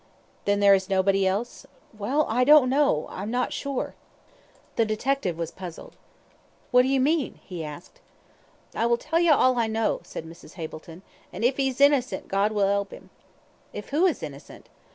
"Then there is nobody else?" "Well, I don't know I'm not sure." The detective was puzzled. "What do you mean?" he asked. "I will tell you all I know," said Mrs. Hableton, "an' if 'e's innocent, God will 'elp 'im." "If who is innocent?"